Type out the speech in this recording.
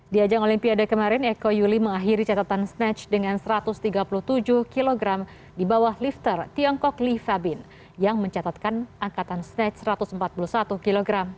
di ajang olimpiade kemarin eko yuli mengakhiri catatan snatch dengan satu ratus tiga puluh tujuh kg di bawah lifter tiongkok lee febin yang mencatatkan angkatan snatch satu ratus empat puluh satu kg